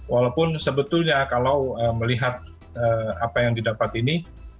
walaupun sebetulnya kalau melihat apa yang didapat ini